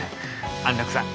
安楽さん